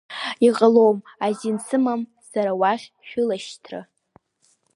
Иҟалом, азин сымам сара уахь шәылашьҭра.